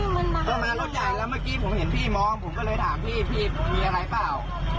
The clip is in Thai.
มันมารถใหญ่แล้วเมื่อกี้ผมเห็นพี่มองผมก็เลยถามพี่พี่มีอะไรเปล่า